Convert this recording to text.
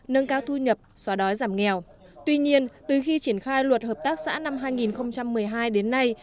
nâng cao thu nhập xóa đói giảm nghèo tuy nhiên từ khi triển khai luật hợp tác xã năm hai nghìn một mươi hai đến nay